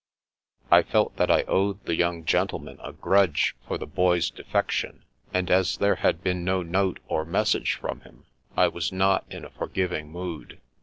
I felt that I owed the young men a grudge for the Boy's defection; and as there had been no note or message from him, I was not in a forgiving mood.